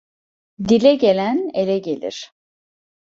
Dile gelen ele gelir.